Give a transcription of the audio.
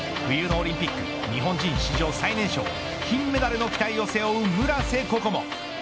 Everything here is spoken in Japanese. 冬のオリンピック日本人史上最年少金メダルの期待を背負う村瀬心椛。